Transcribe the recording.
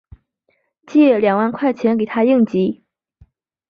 借两万块给她应急